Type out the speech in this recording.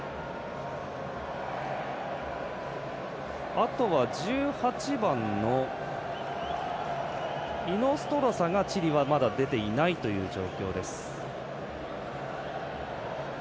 あとは１８番のイノストロサがチリはまだ出ていないという状況です。